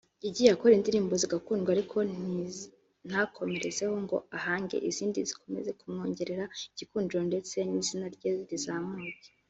yagiye akora indirimbo zigakundwa ariko ntakomerezeho ngo ahange izindi zikomeze kumwongerera igikundiro ndetse n’izina rye rizamuke